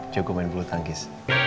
jogoh main bulu tangkis